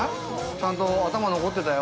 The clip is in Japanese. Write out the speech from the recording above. ちゃんと頭残ってたよ。